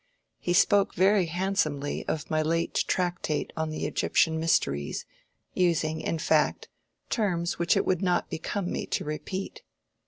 He spoke very handsomely of my late tractate on the Egyptian Mysteries,—using, in fact, terms which it would not become me to repeat."